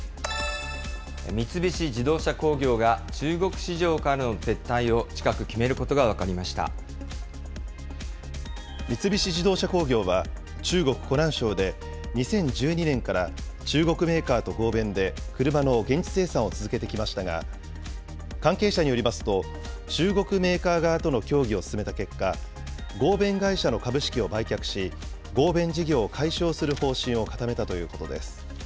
三菱自動車工業が中国市場からの撤退を近く決めることが分かりま三菱自動車工業は、中国・湖南省で、２０１２年から中国メーカーと合弁で車の現地生産を続けてきましたが、関係者によりますと、中国メーカー側との協議を進めた結果、合弁会社の株式を売却し、合弁事業を解消する方針を固めたということです。